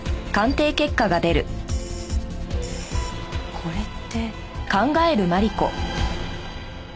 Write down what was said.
これって。